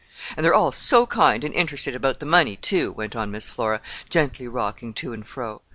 "And they're all so kind and interested about the money, too," went on Miss Flora, gently rocking to and fro.